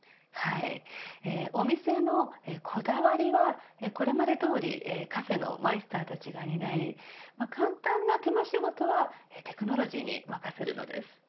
お店のこだわりはこれまでどおりカフェのマイスターたちが担い簡単な手間仕事はテクノロジーに任せるのです。